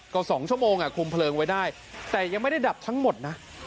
ก็๒ชั่วโมงคุมเพลิงไว้ได้แต่ยังไม่ได้ดับทั้งหมดนะ